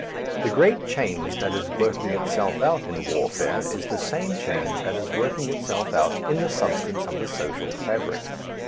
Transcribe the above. The great change that is working itself out in warfare is the same change that is working itself out in the substance of the social fabric.